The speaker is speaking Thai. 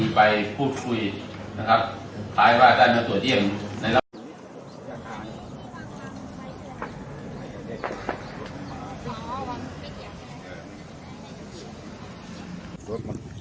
เป็นเหตุจริงที่กรกฎประจำเที่ยมกระยะหลังครับ